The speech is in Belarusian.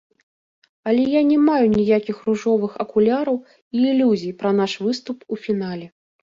Але я не маю ніякіх ружовых акуляраў і ілюзій пра наш выступ у фінале.